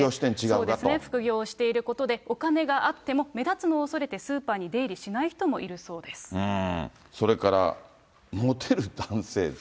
そうですね、副業していることで、お金があっても目立つのを恐れてスーパーに出入りしない人もいるそれから、もてる男性像。